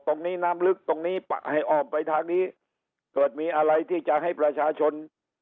ตรงนี้น้ำลึกตรงนี้ให้อ้อมไปทางนี้เกิดมีอะไรที่จะให้ประชาชน